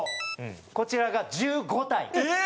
こちらが１５体。